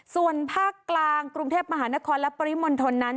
ส่วนภาคกลางกรุงเทพมหานครและปริมณฑลนั้น